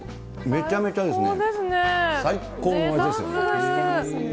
めちゃめちゃいいですね。